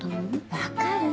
分かる？